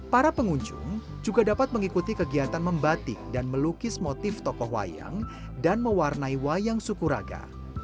para pengunjung juga dapat mengikuti kegiatan membatik dan melukis motif tokoh wayang dan mewarnai wayang sukuraga